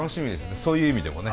そういう意味でもね。